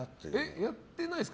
やってないですか？